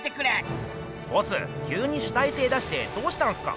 ボスきゅうに主体性出してどうしたんすか？